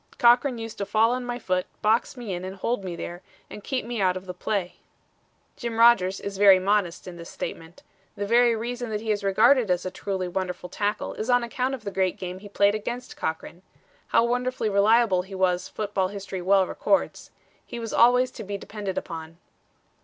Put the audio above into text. Cochran used to fall on my foot, box me in and hold me there, and keep me out of the play." Jim Rodgers is very modest in this statement. The very reason that he is regarded as a truly wonderful tackle is on account of the great game he played against Cochran. How wonderfully reliable he was football history well records. He was always to be depended upon.